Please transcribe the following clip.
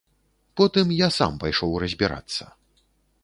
Потым я сам пайшоў разбірацца.